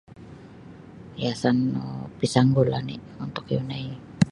Hiasan no pisanggul oni untuk yunai.